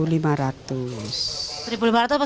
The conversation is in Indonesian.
rp satu lima ratus atau rp satu ratus lima puluh